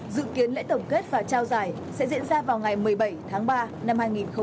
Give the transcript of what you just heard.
dự kiến lễ tổng kết và trao giải sẽ diễn ra vào ngày một mươi bảy tháng ba năm hai nghìn hai mươi